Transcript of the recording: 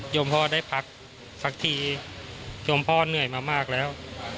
พ่อได้พักสักทียมพ่อเหนื่อยมามากแล้ว